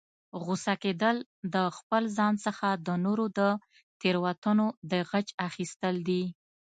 غوسه کیدل، د خپل ځان څخه د نورو د تیروتنو د غچ اخستل دي